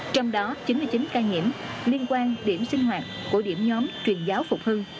trong đó chín mươi chín ca nhiễm liên quan điểm sinh hoạt của điểm nhóm truyền giáo phục hưng